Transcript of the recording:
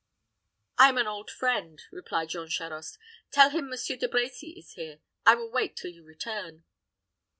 "I am an old friend," replied Jean Charost. "Tell him Monsieur De Brecy is here. I will wait till you return."